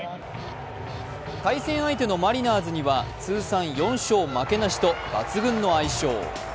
対戦相手はマリナーズには通算４勝負けなしと抜群の相性。